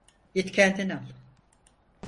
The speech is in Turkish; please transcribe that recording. Git kendin al.